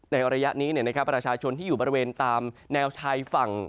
ในระยะนี้ประชาชนที่อยู่บริเวณตามแนวชายฝั่ง